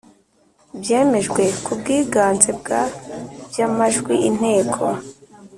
Byemejwe Kubwiganze Bwa By Amajwi Inteko